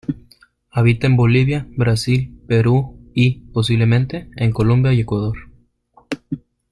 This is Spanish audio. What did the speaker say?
Habita en Bolivia, Brasil, Perú y, posiblemente, en Colombia y Ecuador.